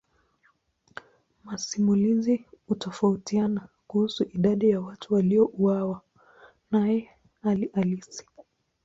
Masimulizi hutofautiana kuhusu idadi ya watu waliouawa naye hali halisi.